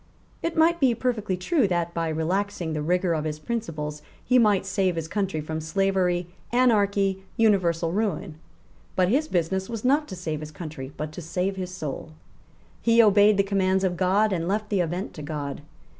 It might be perfectly true that, by relaxing the rigour of his principles, he might save his country from slavery, anarchy, universal ruin. But his business was not to save his country, but to save his soul. He obeyed the commands of God, and left the event to God.